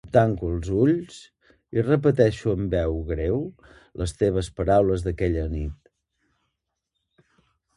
Tanco els ulls i repeteixo amb veu greu les teves paraules d'aquella nit.